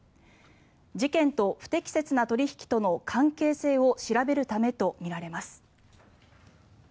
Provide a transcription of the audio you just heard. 事件と不適切な取引との関係性を調べるためとみられます。